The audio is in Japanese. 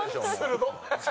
鋭っ！